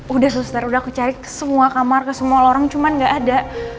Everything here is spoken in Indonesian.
udah suster udah kecari ke semua kamar ke semua lorong cuman gak ada